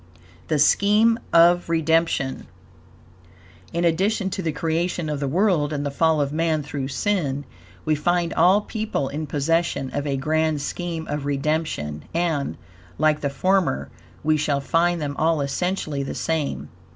THE SCHEME OF REDEMPTION In addition to the creation of the world and the fall of man through sin, we find all people in possession of a grand scheme of redemption, and, like the former, we shall find them all essentially the same.